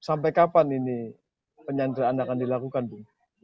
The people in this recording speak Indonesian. sampai kapan ini penyandaran anda akan dilakukan bu